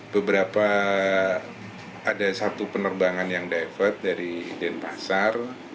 beberapa ada satu penerbangan yang divert dari denpasar